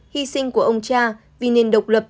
hy sinh của ông cha vì nền độc lập